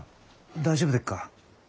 大丈夫でっか？